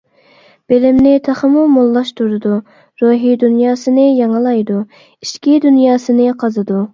بىلىمنى تېخىمۇ موللاشتۇرىدۇ، روھىي دۇنياسىنى يېڭىلايدۇ، ئىچكى دۇنياسىنى قازىدۇ.